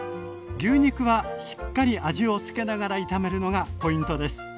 牛肉はしっかり味をつけながら炒めるのがポイントです。